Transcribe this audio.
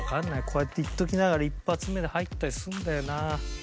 こうやって言っときながら１発目で入ったりするんだよな。